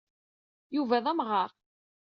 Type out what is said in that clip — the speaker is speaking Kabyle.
Yuba d amɣar.